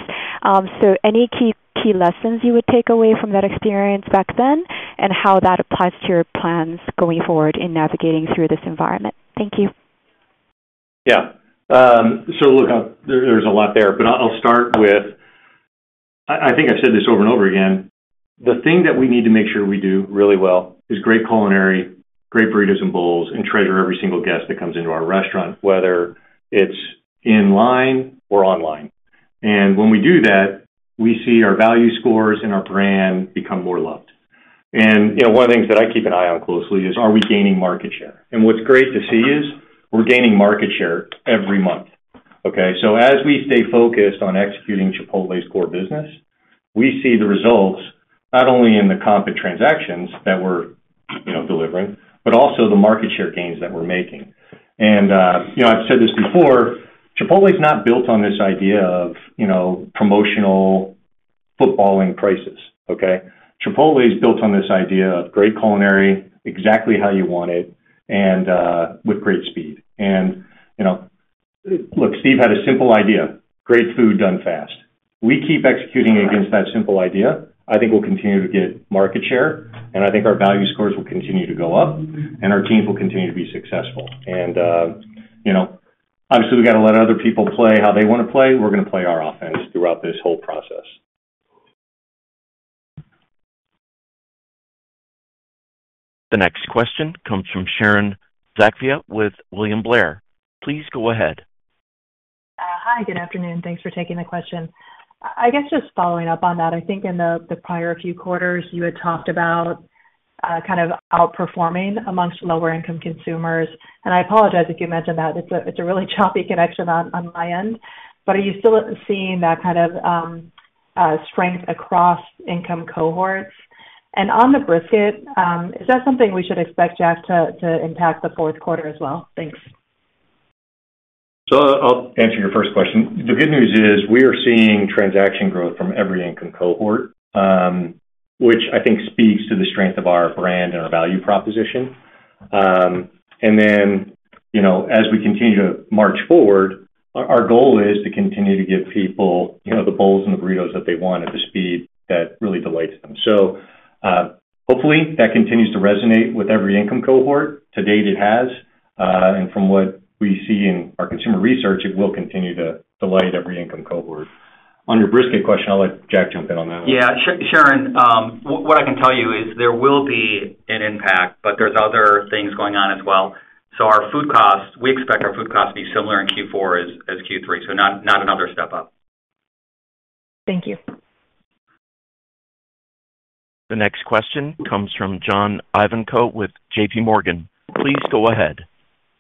So any key lessons you would take away from that experience back then and how that applies to your plans going forward in navigating through this environment? Thank you. Yeah. So look, there's a lot there, but I'll start with, I think I've said this over and over again, the thing that we need to make sure we do really well is great culinary, great burritos and bowls, and treasure every single guest that comes into our restaurant, whether it's in line or online. When we do that, we see our value scores and our brand become more loved. One of the things that I keep an eye on closely is, are we gaining market share? What's great to see is we're gaining market share every month. Okay? So as we stay focused on executing Chipotle's core business, we see the results not only in the comp and transactions that we're delivering, but also the market share gains that we're making. I've said this before, Chipotle is not built on this idea of promotional fiddling with prices. Okay? Chipotle is built on this idea of great culinary, exactly how you want it, and with great speed. And look, Steve had a simple idea, great food done fast. We keep executing against that simple idea. I think we'll continue to get market share, and I think our value scores will continue to go up, and our teams will continue to be successful. And obviously, we got to let other people play how they want to play. We're going to play our offense throughout this whole process. The next question comes from Sharon Zackfia with William Blair. Please go ahead. Hi, good afternoon. Thanks for taking the question. I guess just following up on that, I think in the prior few quarters, you had talked about kind of outperforming among lower-income consumers. And I apologize if you mentioned that. It's a really choppy connection on my end. But are you still seeing that kind of strength across income cohorts? And on the brisket, is that something we should expect, Jack, to impact the fourth quarter as well? Thanks. So I'll answer your first question. The good news is we are seeing transaction growth from every income cohort, which I think speaks to the strength of our brand and our value proposition. And then as we continue to march forward, our goal is to continue to give people the bowls and the burritos that they want at the speed that really delights them. So hopefully, that continues to resonate with every income cohort. To date, it has. And from what we see in our consumer research, it will continue to delight every income cohort. On your brisket question, I'll let Jack jump in on that one. Yeah. Sharon, what I can tell you is there will be an impact, but there's other things going on as well. So our food costs, we expect our food costs to be similar in Q4 as Q3, so not another step up. Thank you. The next question comes from John Ivankoe with JPMorgan. Please go ahead.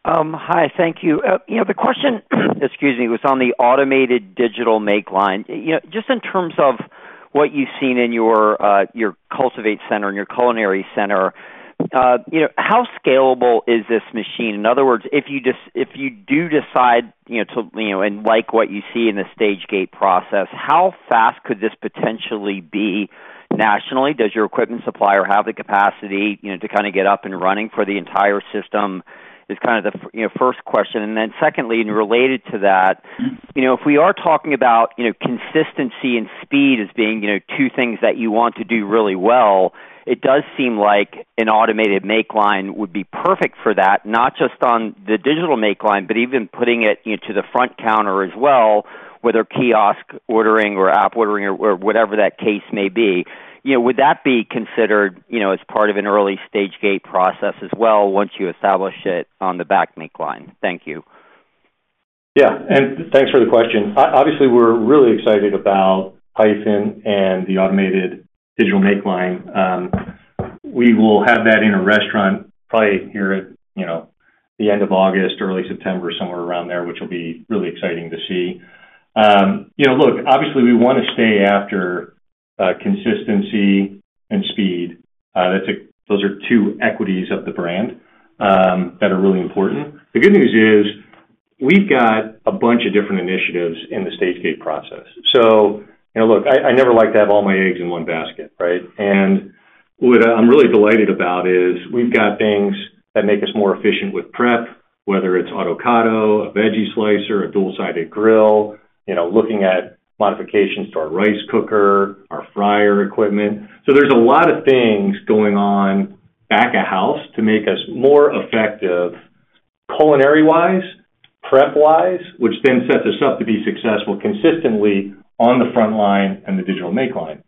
Hi, thank you. The question, excuse me, was on the Automated Digital Make Line. Just in terms of what you've seen in your Cultivate Center and your Culinary Center, how scalable is this machine? In other words, if you do decide to and like what you see in the Stage-Gate process, how fast could this potentially be nationally? Does your equipment supplier have the capacity to kind of get up and running for the entire system? Is kind of the first question. And then secondly, and related to that, if we are talking about consistency and speed as being two things that you want to do really well, it does seem like an automated make line would be perfect for that, not just on the digital make line, but even putting it to the front counter as well, whether kiosk ordering or app ordering or whatever that case may be. Would that be considered as part of an early Stage-Gate process as well once you establish it on the back make line? Thank you. Yeah. And thanks for the question. Obviously, we're really excited about Hyphen and the automated digital make line. We will have that in a restaurant probably here at the end of August, early September, somewhere around there, which will be really exciting to see. Look, obviously, we want to stay after consistency and speed. Those are two equities of the brand that are really important. The good news is we've got a bunch of different initiatives in the Stage-Gate process. So look, I never like to have all my eggs in one basket, right? And what I'm really delighted about is we've got things that make us more efficient with prep, whether it's avocado, a veggie slicer, a dual-sided grill, looking at modifications to our rice cooker, our fryer equipment. So there's a lot of things going on back-of-house to make us more effective culinary-wise, prep-wise, which then sets us up to be successful consistently on the front line and the digital make line.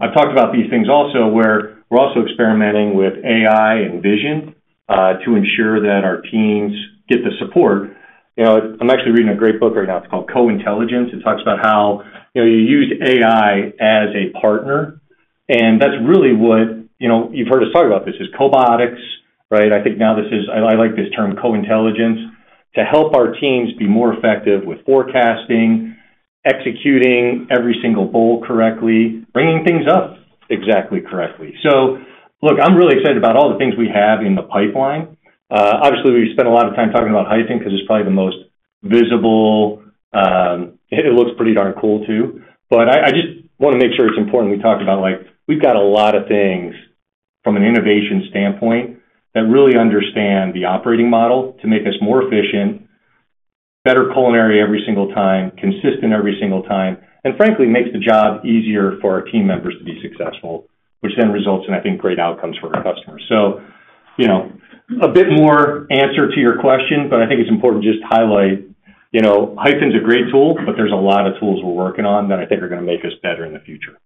I've talked about these things also where we're also experimenting with AI and vision to ensure that our teams get the support. I'm actually reading a great book right now. It's called Co-Intelligence. It talks about how you use AI as a partner. That's really what you've heard us talk about, this is cobotics, right? I think now this is I like this term, co-intelligence, to help our teams be more effective with forecasting, executing every single bowl correctly, bringing things up exactly correctly. Look, I'm really excited about all the things we have in the pipeline. Obviously, we spent a lot of time talking about Hyphen because it's probably the most visible. It looks pretty darn cool too. But I just want to make sure it's important we talk about we've got a lot of things from an innovation standpoint that really understand the operating model to make us more efficient, better culinary every single time, consistent every single time, and frankly, makes the job easier for our team members to be successful, which then results in, I think, great outcomes for our customers. So a bit more answer to your question, but I think it's important to just highlight Hyphen's a great tool, but there's a lot of tools we're working on that I think are going to make us better in the future.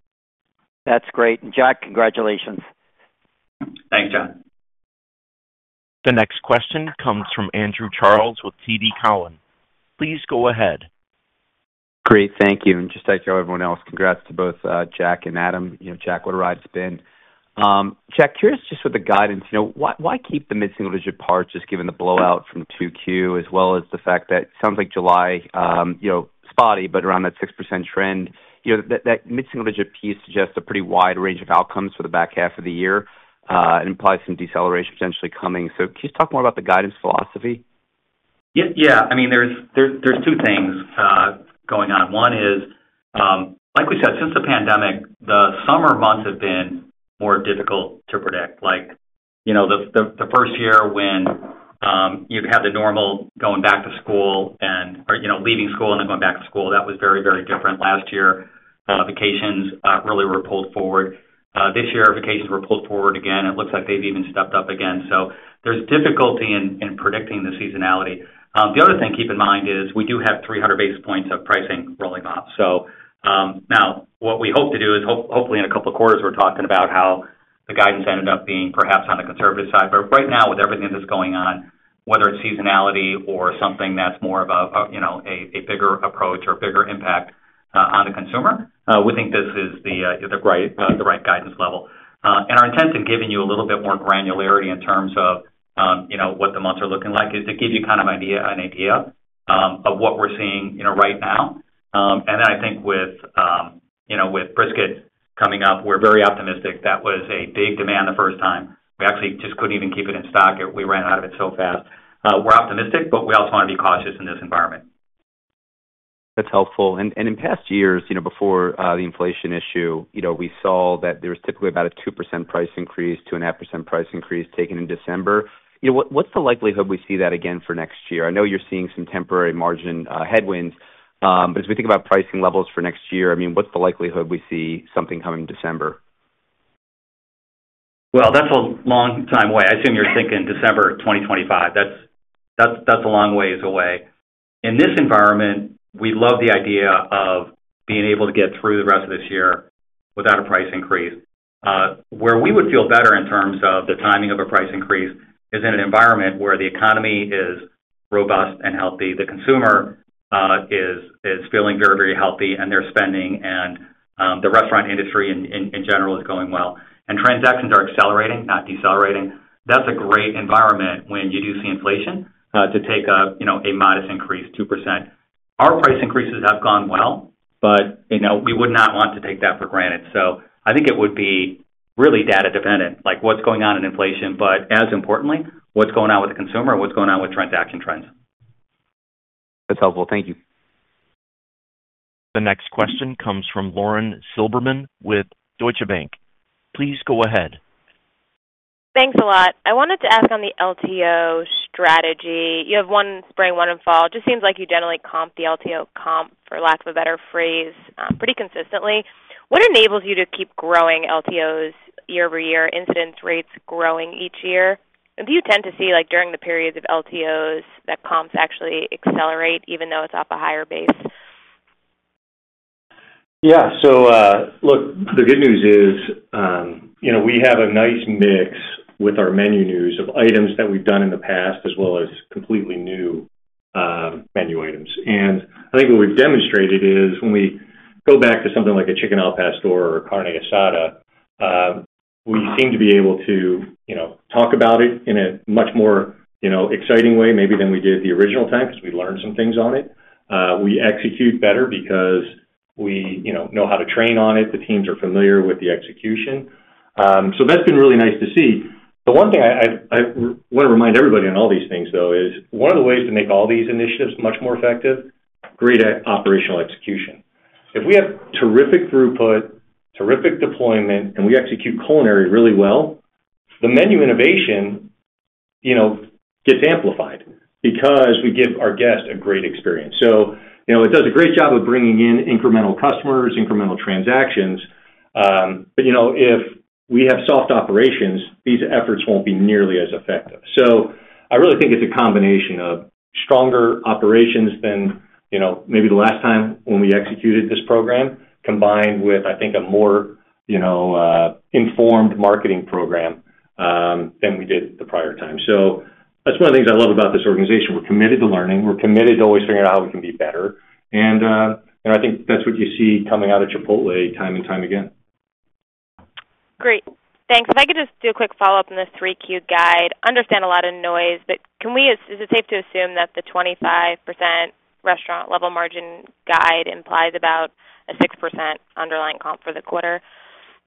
That's great. And Jack, congratulations. Thanks, John. The next question comes from Andrew Charles with TD Cowen. Please go ahead. Great. Thank you. And just like everyone else, congrats to both Jack and Adam. Jack, what a ride it's been. Jack, curious just with the guidance, why keep the mid-single digit part just given the blowout from 2Q, as well as the fact that it sounds like July, spotty, but around that 6% trend, that mid-single digit piece suggests a pretty wide range of outcomes for the back half of the year and implies some deceleration potentially coming. So can you talk more about the guidance philosophy? Yeah. I mean, there's two things going on. One is, like we said, since the pandemic, the summer months have been more difficult to predict. The first year when you had the normal going back to school and leaving school and then going back to school, that was very, very different. Last year, vacations really were pulled forward. This year, vacations were pulled forward again. It looks like they've even stepped up again. So there's difficulty in predicting the seasonality. The other thing to keep in mind is we do have 300 basis points of pricing rolling off. So now what we hope to do is hopefully in a couple of quarters, we're talking about how the guidance ended up being perhaps on the conservative side. But right now, with everything that's going on, whether it's seasonality or something that's more of a bigger approach or bigger impact on the consumer, we think this is the right guidance level. And our intent in giving you a little bit more granularity in terms of what the months are looking like is to give you kind of an idea of what we're seeing right now. And then I think with brisket coming up, we're very optimistic. That was a big demand the first time. We actually just couldn't even keep it in stock. We ran out of it so fast. We're optimistic, but we also want to be cautious in this environment. That's helpful. In past years, before the inflation issue, we saw that there was typically about a 2%-0.5% price increase taken in December. What's the likelihood we see that again for next year? I know you're seeing some temporary margin headwinds, but as we think about pricing levels for next year, I mean, what's the likelihood we see something coming in December? Well, that's a long time away. I assume you're thinking December 2025. That's a long ways away. In this environment, we love the idea of being able to get through the rest of this year without a price increase. Where we would feel better in terms of the timing of a price increase is in an environment where the economy is robust and healthy, the consumer is feeling very, very healthy, and they're spending, and the restaurant industry in general is going well, and transactions are accelerating, not decelerating. That's a great environment when you do see inflation to take a modest increase, 2%. Our price increases have gone well, but we would not want to take that for granted. So I think it would be really data-dependent, like what's going on in inflation, but as importantly, what's going on with the consumer, what's going on with transaction trends. That's helpful. Thank you. The next question comes from Lauren Silberman with Deutsche Bank. Please go ahead. Thanks a lot. I wanted to ask on the LTO strategy. You have one spring, one in fall. It just seems like you generally comp the LTO comp, for lack of a better phrase, pretty consistently. What enables you to keep growing LTOs year-over-year, incidence rates growing each year? Do you tend to see during the periods of LTOs that comps actually accelerate even though it's off a higher base? Yeah. So look, the good news is we have a nice mix with our menu news of items that we've done in the past as well as completely new menu items. And I think what we've demonstrated is when we go back to something like a Chicken al Pastor or a Carne Asada, we seem to be able to talk about it in a much more exciting way maybe than we did the original time because we learned some things on it. We execute better because we know how to train on it. The teams are familiar with the execution. That's been really nice to see. The one thing I want to remind everybody on all these things, though, is one of the ways to make all these initiatives much more effective is great operational execution. If we have terrific throughput, terrific deployment, and we execute culinary really well, the menu innovation gets amplified because we give our guest a great experience. So it does a great job of bringing in incremental customers, incremental transactions. But if we have soft operations, these efforts won't be nearly as effective. So I really think it's a combination of stronger operations than maybe the last time when we executed this program, combined with, I think, a more informed marketing program than we did the prior time. So that's one of the things I love about this organization. We're committed to learning. We're committed to always figuring out how we can be better. And I think that's what you see coming out of Chipotle time and time again. Great. Thanks. If I could just do a quick follow-up on the 3Q guide. I understand a lot of noise, but is it safe to assume that the 25% restaurant-level margin guide implies about a 6% underlying comp for the quarter?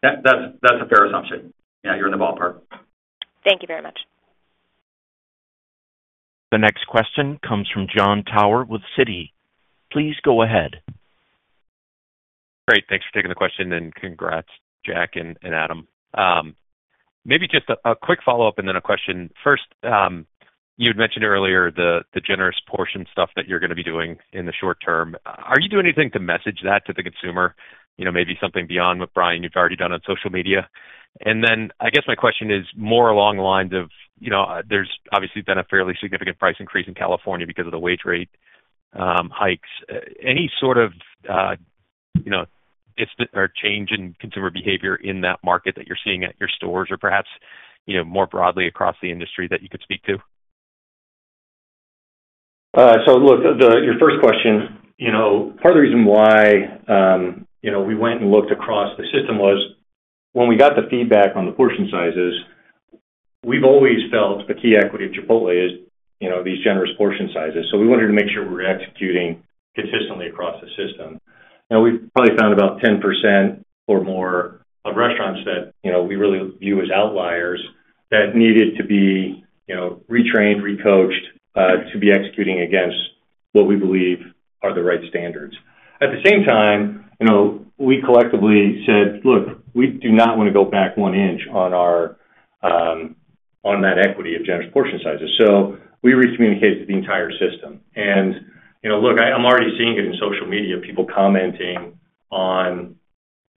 That's a fair assumption. Yeah, you're in the ballpark. Thank you very much. The next question comes from Jon Tower with Citi. Please go ahead. Great. Thanks for taking the question, and congrats, Jack and Adam. Maybe just a quick follow-up and then a question. First, you had mentioned earlier the generous portion stuff that you're going to be doing in the short term. Are you doing anything to message that to the consumer? Maybe something beyond what Brian, you've already done on social media. And then I guess my question is more along the lines of there's obviously been a fairly significant price increase in California because of the wage rate hikes. Any sort of change in consumer behavior in that market that you're seeing at your stores or perhaps more broadly across the industry that you could speak to? So look, your first question, part of the reason why we went and looked across the system was when we got the feedback on the portion sizes. We've always felt the key equity of Chipotle is these generous portion sizes. So we wanted to make sure we were executing consistently across the system. We've probably found about 10% or more of restaurants that we really view as outliers that needed to be retrained, recoached to be executing against what we believe are the right standards. At the same time, we collectively said, "Look, we do not want to go back one inch on that equity of generous portion sizes." We recommunicated to the entire system. Look, I'm already seeing it in social media, people commenting on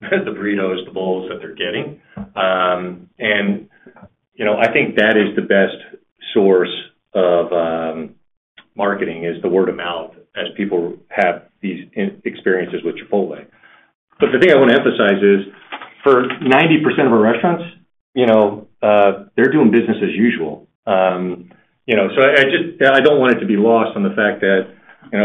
the burritos, the bowls that they're getting. I think that is the best source of marketing is the word of mouth as people have these experiences with Chipotle. The thing I want to emphasize is for 90% of our restaurants, they're doing business as usual. So I don't want it to be lost on the fact that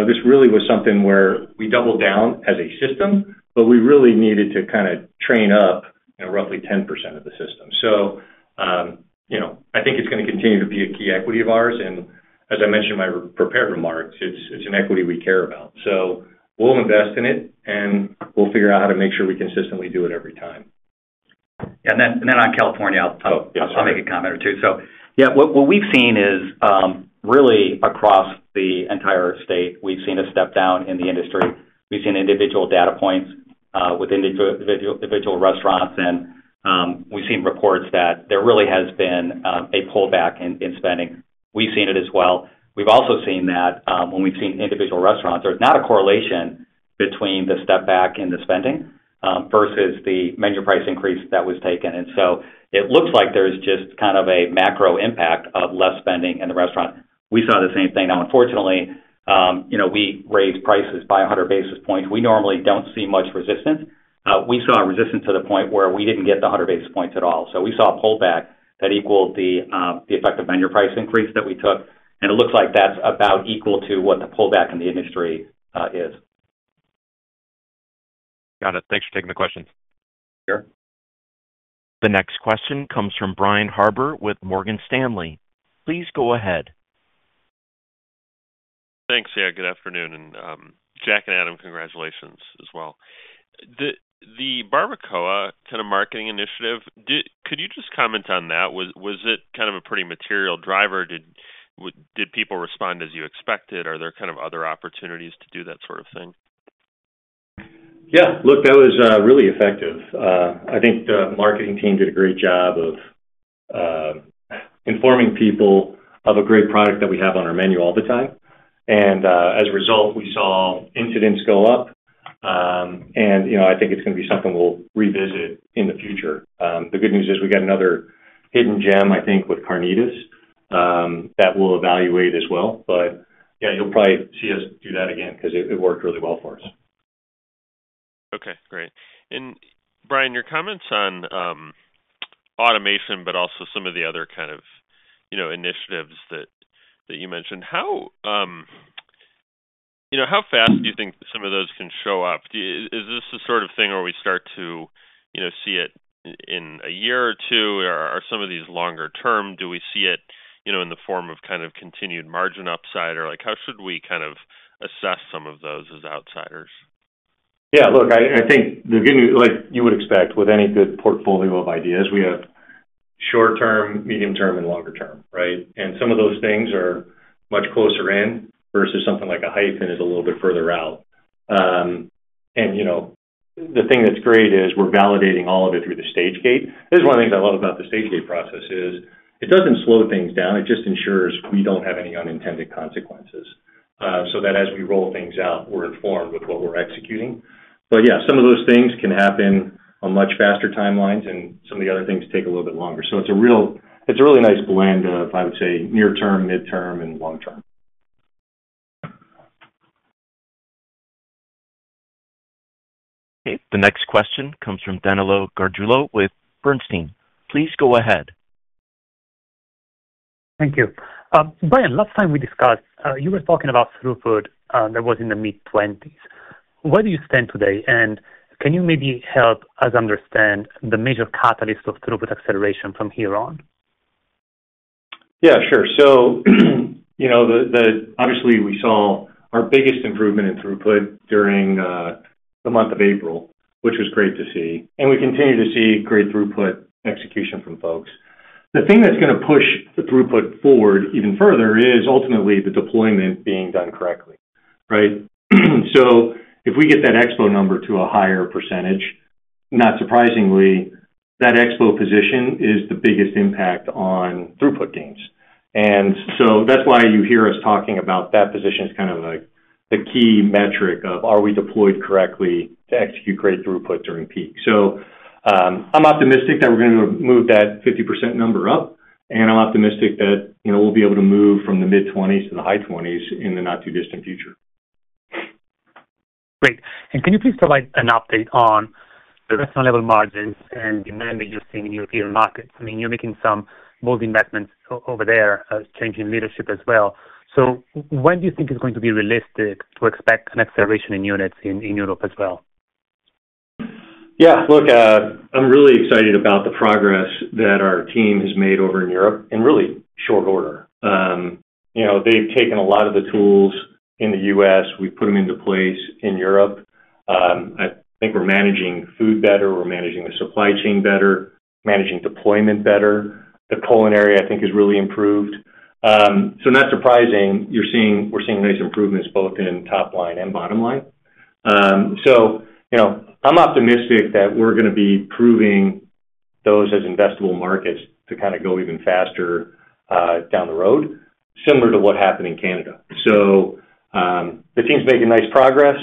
this really was something where we doubled down as a system, but we really needed to kind of train up roughly 10% of the system. So I think it's going to continue to be a key equity of ours. And as I mentioned in my prepared remarks, it's an equity we care about. So we'll invest in it, and we'll figure out how to make sure we consistently do it every time. Yeah. And then on California, I'll make a comment or two. So yeah, what we've seen is really across the entire state, we've seen a step down in the industry. We've seen individual data points with individual restaurants, and we've seen reports that there really has been a pullback in spending. We've seen it as well. We've also seen that when we've seen individual restaurants, there's not a correlation between the step back in the spending versus the menu price increase that was taken. So it looks like there's just kind of a macro impact of less spending in the restaurant. We saw the same thing. Now, unfortunately, we raised prices by 100 basis points. We normally don't see much resistance. We saw resistance to the point where we didn't get the 100 basis points at all. We saw a pullback that equaled the effective menu price increase that we took. It looks like that's about equal to what the pullback in the industry is. Got it. Thanks for taking the question. Sure. The next question comes from Brian Harbour with Morgan Stanley. Please go ahead. Thanks, yeah. Good afternoon. Jack and Adam, congratulations as well. The Braised Beef Barbacoa kind of marketing initiative, could you just comment on that? Was it kind of a pretty material driver? Did people respond as you expected? Are there kind of other opportunities to do that sort of thing? Yeah. Look, that was really effective. I think the marketing team did a great job of informing people of a great product that we have on our menu all the time. And as a result, we saw incidence go up. And I think it's going to be something we'll revisit in the future. The good news is we got another hidden gem, I think, with Carnitas that we'll evaluate as well. But yeah, you'll probably see us do that again because it worked really well for us. Okay. Great. Brian, your comments on automation, but also some of the other kind of initiatives that you mentioned, how fast do you think some of those can show up? Is this the sort of thing where we start to see it in a year or two, or are some of these longer term? Do we see it in the form of kind of continued margin upside? Or how should we kind of assess some of those as outsiders? Yeah. Look, I think the good news, like you would expect, with any good portfolio of ideas, we have short-term, medium-term, and longer-term, right? And some of those things are much closer in versus something like a Hyphen is a little bit further out. And the thing that's great is we're validating all of it through the Stage-Gate. This is one of the things I love about the Stage-Gate process. It doesn't slow things down. It just ensures we don't have any unintended consequences so that as we roll things out, we're informed with what we're executing. But yeah, some of those things can happen on much faster timelines, and some of the other things take a little bit longer. So it's a really nice blend of, I would say, near term, mid term, and long term. The next question comes from Danilo Gargiulo with Bernstein. Please go ahead. Thank you. Brian, last time we discussed, you were talking about throughput that was in the mid-20s. Where do you stand today? And can you maybe help us understand the major catalyst of throughput acceleration from here on? Yeah, sure. Obviously, we saw our biggest improvement in throughput during the month of April, which was great to see. We continue to see great throughput execution from folks. The thing that's going to push the throughput forward even further is ultimately the deployment being done correctly, right? If we get that expo number to a higher percentage, not surprisingly, that expo position is the biggest impact on throughput gains. That's why you hear us talking about that position as kind of the key metric of are we deployed correctly to execute great throughput during peak. I'm optimistic that we're going to move that 50% number up, and I'm optimistic that we'll be able to move from the mid-20s to the high 20s in the not too distant future. Great. And can you please provide an update on the restaurant-level margins and demand that you're seeing in European markets? I mean, you're making some bold investments over there, changing leadership as well. So when do you think it's going to be realistic to expect an acceleration in units in Europe as well? Yeah. Look, I'm really excited about the progress that our team has made over in Europe in really short order. They've taken a lot of the tools in the U.S. We've put them into place in Europe. I think we're managing food better. We're managing the supply chain better, managing deployment better. The culinary, I think, has really improved. So not surprising, we're seeing nice improvements both in top line and bottom line. So I'm optimistic that we're going to be proving those as investable markets to kind of go even faster down the road, similar to what happened in Canada. So the team's making nice progress.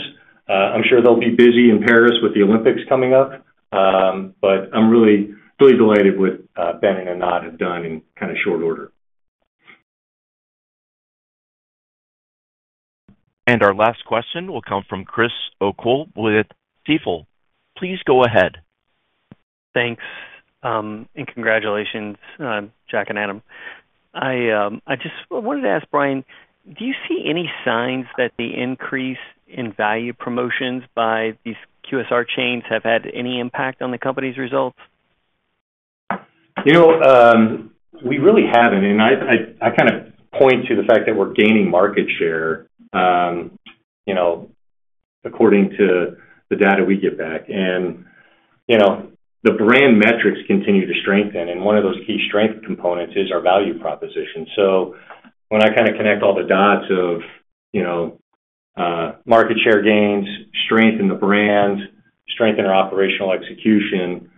I'm sure they'll be busy in Paris with the Olympics coming up, but I'm really delighted with Ben and Anand have done in kind of short order. And our last question will come from Chris O'Cull with Stifel. Please go ahead. Thanks. And congratulations, Jack and Adam. I just wanted to ask, Brian, do you see any signs that the increase in value promotions by these QSR chains have had any impact on the company's results? We really haven't. And I kind of point to the fact that we're gaining market share according to the data we get back. And the brand metrics continue to strengthen. One of those key strength components is our value proposition. So when I kind of connect all the dots of market share gains, strength in the brand, strength in our operational execution,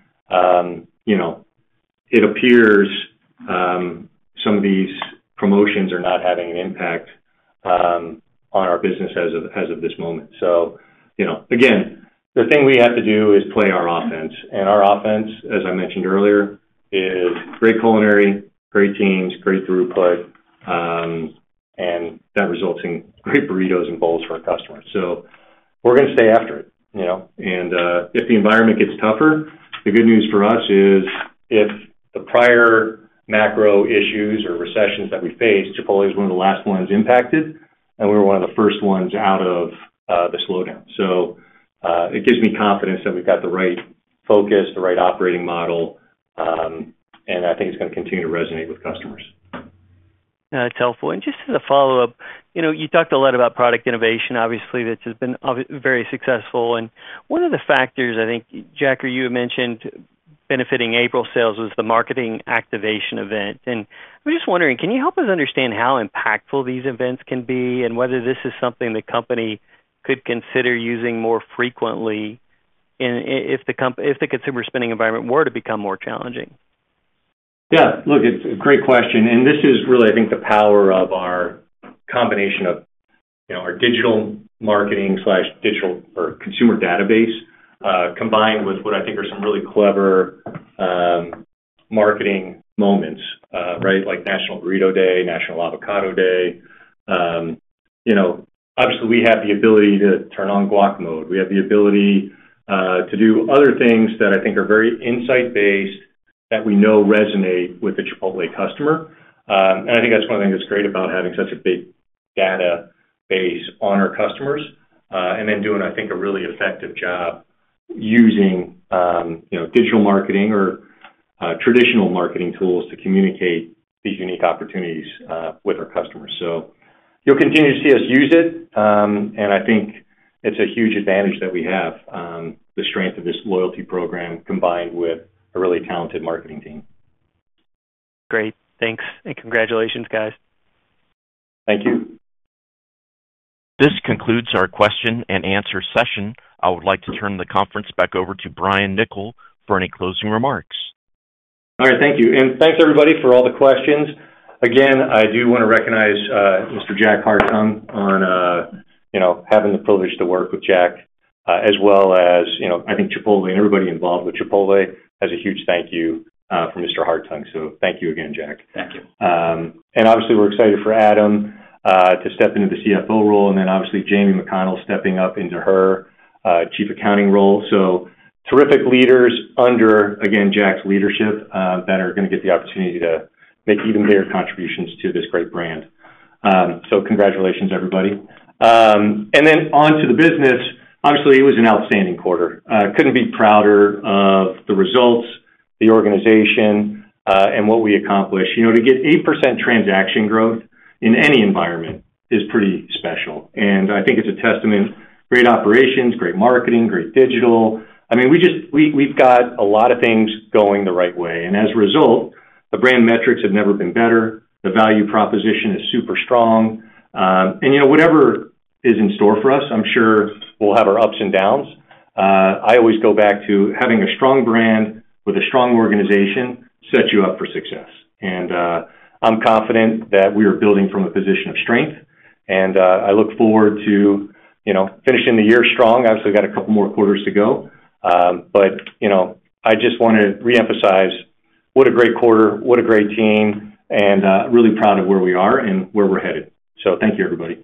it appears some of these promotions are not having an impact on our business as of this moment. So again, the thing we have to do is play our offense. And our offense, as I mentioned earlier, is great culinary, great teams, great throughput, and that results in great burritos and bowls for our customers. So we're going to stay after it. And if the environment gets tougher, the good news for us is if the prior macro issues or recessions that we faced, Chipotle is one of the last ones impacted, and we were one of the first ones out of the slowdown. So it gives me confidence that we've got the right focus, the right operating model, and I think it's going to continue to resonate with customers. That's helpful. And just as a follow-up, you talked a lot about product innovation, obviously, that has been very successful. And one of the factors, I think, Jack, or you had mentioned benefiting April sales was the marketing activation event. And I'm just wondering, can you help us understand how impactful these events can be and whether this is something the company could consider using more frequently if the consumer spending environment were to become more challenging? Yeah. Look, it's a great question. And this is really, I think, the power of our combination of our digital marketing/digital or consumer database combined with what I think are some really clever marketing moments, right, like National Burrito Day, National Avocado Day. Obviously, we have the ability to turn on Guac Mode. We have the ability to do other things that I think are very insight-based that we know resonate with the Chipotle customer. And I think that's one of the things that's great about having such a big database on our customers and then doing, I think, a really effective job using digital marketing or traditional marketing tools to communicate these unique opportunities with our customers. So you'll continue to see us use it. And I think it's a huge advantage that we have the strength of this loyalty program combined with a really talented marketing team. Great. Thanks. And congratulations, guys. Thank you. This concludes our question and answer session. I would like to turn the conference back over to Brian Niccol for any closing remarks. All right. Thank you. And thanks, everybody, for all the questions. Again, I do want to recognize Mr. Jack Hartung on having the privilege to work with Jack as well as, I think, Chipotle and everybody involved with Chipotle has a huge thank you from Mr. Hartung. So thank you again, Jack. Thank you. And obviously, we're excited for Adam to step into the CFO role and then obviously Jamie McConnell stepping up into her chief accounting role. So terrific leaders under, again, Jack's leadership that are going to get the opportunity to make even bigger contributions to this great brand. So congratulations, everybody. And then on to the business, obviously, it was an outstanding quarter. Couldn't be prouder of the results, the organization, and what we accomplished. To get 8% transaction growth in any environment is pretty special. And I think it's a testament, great operations, great marketing, great digital. I mean, we've got a lot of things going the right way. And as a result, the brand metrics have never been better. The value proposition is super strong. And whatever is in store for us, I'm sure we'll have our ups and downs. I always go back to having a strong brand with a strong organization sets you up for success. And I'm confident that we are building from a position of strength. And I look forward to finishing the year strong. Obviously, we've got a couple more quarters to go. But I just want to reemphasize, what a great quarter, what a great team, and really proud of where we are and where we're headed. So thank you, everybody.